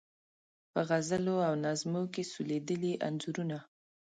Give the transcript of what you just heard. په غزلو او نظمو کې سولیدلي انځورونه